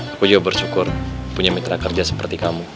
aku juga bersyukur punya mitra kerja seperti kamu